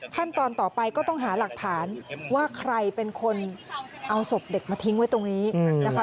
ขั้นตอนต่อไปก็ต้องหาหลักฐานว่าใครเป็นคนเอาศพเด็กมาทิ้งไว้ตรงนี้นะคะ